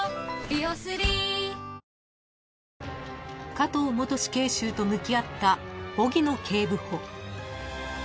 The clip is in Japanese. ［加藤元死刑囚と向き合った荻野警部補］